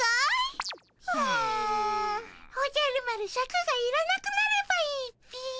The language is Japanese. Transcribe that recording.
おじゃる丸シャクがいらなくなればいいっピ。